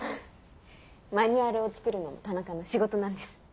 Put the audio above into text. マニュアルを作るのも田中の仕事なんです。